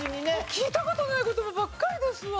聞いた事ない言葉ばっかりですわ。